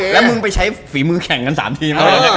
แล้วมึงไปใช้ฝีมือแข่งกัน๓ทีม